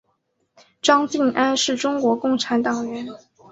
张敬安是中国共产党党员。